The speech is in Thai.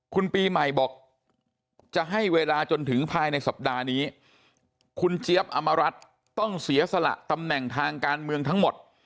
คุณปีใหม่บอกจะให้เวลาจนถึงภายในสัปดาห์นี้คุณเจี๊ยบอมรัฐต้องเสียสละตำแหน่งทางการเมืองทั้งหมด